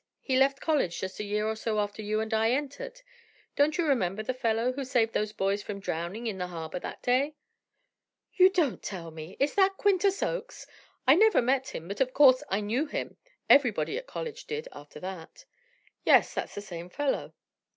He left college just a year or so after you and I entered. Don't you remember the fellow who saved those boys from drowning in the harbor that day?" "You don't tell me! Is that Quintus Oakes? I never met him, but of course I knew him; everybody at college did, after that." "Yes, that's the same fellow."